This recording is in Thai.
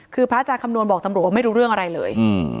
คือพระอาจารย์คำนวณบอกตำรวจว่าไม่รู้เรื่องอะไรเลย